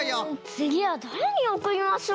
つぎはだれにおくりましょうか？